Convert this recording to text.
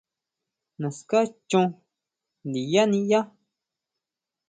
Naská chon ndinyá niʼyá.